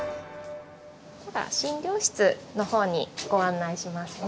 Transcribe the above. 診療室のほうにご案内しますね。